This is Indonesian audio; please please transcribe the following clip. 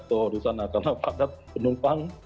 atau urusan akan nafakat penumpang